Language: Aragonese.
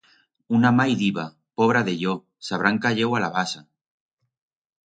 Una mai diba: “Pobra de yo, s'habrán cayeu a la basa.”